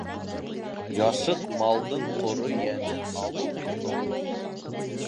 Яшыҡ малдың ҡоро йәнен алыу бит был!